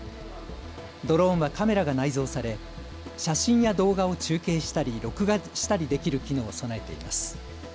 ドローンはカメラが内蔵され写真や動画を中継したり録画したりできる機能を備えています。